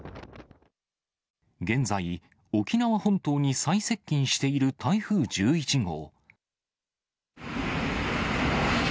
現在、沖縄本島に最接近している台風１１号。